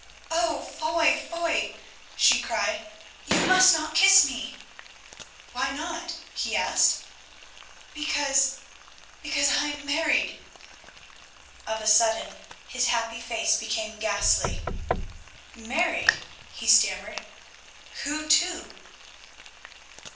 "Oh! Foy, Foy," she cried, "you must not kiss me." "Why not?" he asked. "Because—because I am married." Of a sudden his happy face became ghastly. "Married!" he stammered. "Who to?"